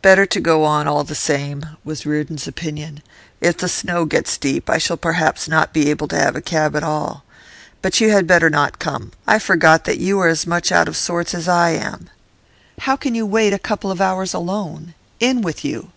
'Better to go on, all the same,' was Reardon's opinion. 'If the snow gets deep I shall perhaps not be able to have a cab at all. But you had better not come; I forgot that you are as much out of sorts as I am.' 'How can you wait a couple of hours alone? In with you!